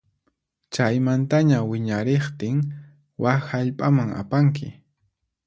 Chaymantaña wiñariqtin wak hallp'aman apanki.